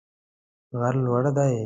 غر لوړ دی